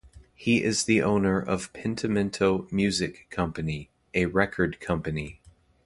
He is the owner of Pentimento Music Company, a record company.